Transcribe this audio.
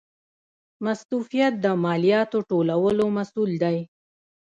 مستوفیت د مالیاتو ټولولو مسوول دی